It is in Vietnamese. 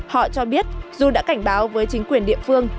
họ cho biết dù đã cảnh báo với chính quyền địa phương